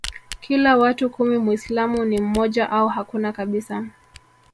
kila watu kumi Mwislamu ni mmoja au hakuna kabisa